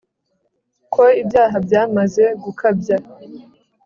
ko ibyaha byamaze gukabya